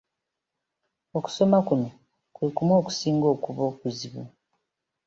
Okusoma kuno kwe kumu okusinga okuba okuzibu.